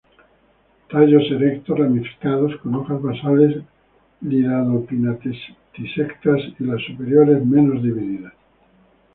Tallos erectos, ramificados con hojas basales lirado-pinnatisectas y las superiores, menos divididas.